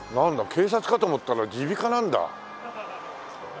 警察かと思ったら耳鼻科なんだ。